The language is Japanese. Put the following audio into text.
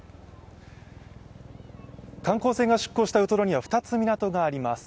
観光船が出航したウトロには２つ港があります。